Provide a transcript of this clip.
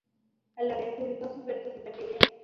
A la vez publicó sus versos y tragedias.